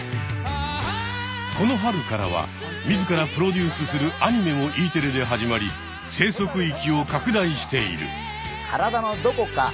この春からは自らプロデュースするアニメもＥテレで始まり生息域を拡大している。